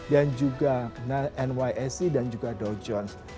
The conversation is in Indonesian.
dan juga nyse dan juga dow jones